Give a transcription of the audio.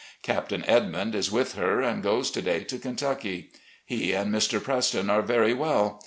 Captain Edmtmd is with her and goes to day to Kentucky. He and Mr. Preston are very well.